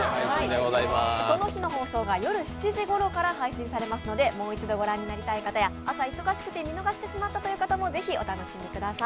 その日の放送が夜７時ごろから配信されますのでもう一度御覧になりたい方や朝忙しくて見逃してしまったという方もぜひお楽しみください。